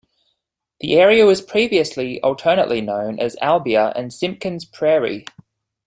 The area was previously alternately known as Albia and Simpkins' Prairie.